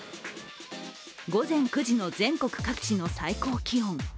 午前９時の全国各地の最高気温。